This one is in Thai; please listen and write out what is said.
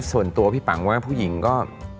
ส่วนตัวพี่ปังว่าผู้หญิงก็